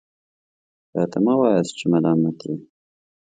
راته مه وایاست چې ملامت یې .